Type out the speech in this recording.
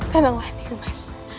tenanglah nih mas